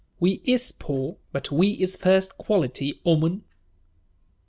"We is po', but we is first quality, 'oman!"